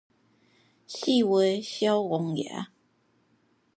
四月痟王爺